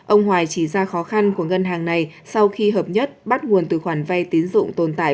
ông hoài chỉ ra khó khăn của ngân hàng này sau khi hợp nhất bắt nguồn từ khoản vay tín dụng tồn tại